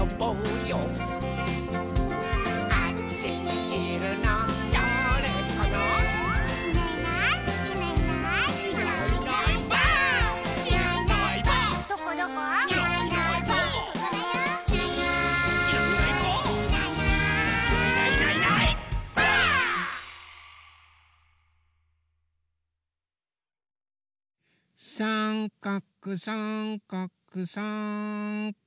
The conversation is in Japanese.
さんかくさんかくさんかくっと。